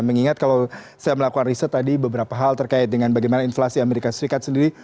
mengingat kalau saya melakukan riset tadi beberapa hal terkait dengan bagaimana inflasi amerika serikat sendiri